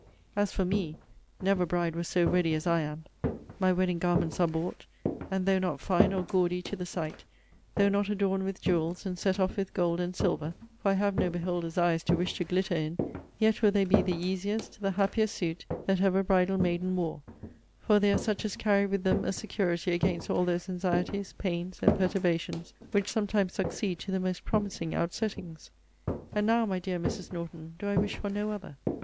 As for me, never bride was so ready as I am. My wedding garments are bought and though not fine or gawdy to the sight, though not adorned with jewels, and set off with gold and silver, (for I have no beholders' eyes to wish to glitter in,) yet will they be the easiest, the happiest suit, that ever bridal maiden wore for they are such as carry with them a security against all those anxieties, pains, and perturbations, which sometimes succeed to the most promising outsettings. And now, my dear Mrs. Norton, do I wish for no other.